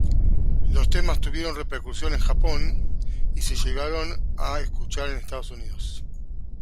Los temas tuvieron repercusión en Japón y se llegaron a escuchar en Estados Unidos.